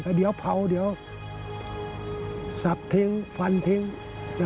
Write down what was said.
แต่เดี๋ยวเผาเดี๋ยวสับทิ้งฟันทิ้งนะครับ